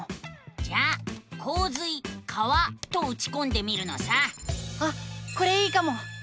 じゃあ「こう水川」とうちこんでみるのさ。あっこれいいかも。